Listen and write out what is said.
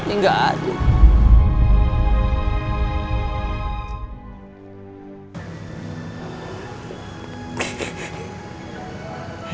ini gak adil